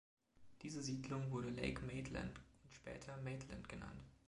Diese Siedlung wurde Lake Maitland, und später Maitland, genannt.